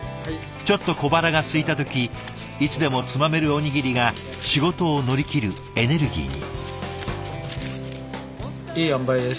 ちょっと小腹がすいた時いつでもつまめるおにぎりが仕事を乗り切るエネルギーに。